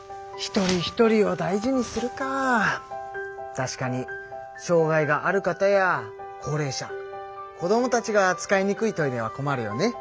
確かに障害がある方や高れい者こどもたちが使いにくいトイレは困るよね。